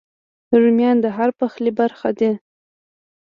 رومیان د هر پخلي برخه دي